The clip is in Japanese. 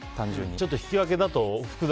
ちょっと引き分けだと複雑。